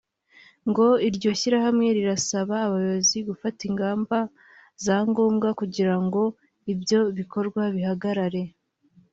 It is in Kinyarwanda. ngo iryo shyirahamwe rirasaba abayobozi gufata ingamba za ngombwa kugira ngo ibyo bikorwa bihagarare